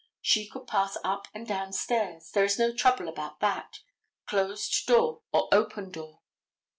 She could pass up and down stairs. There is no trouble about that, closed door or open door.